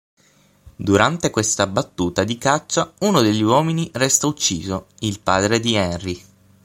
Durante questa battuta di caccia uno degli uomini resta ucciso: il padre di Henry.